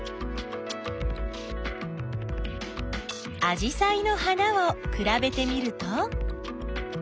あじさいの花をくらべてみると？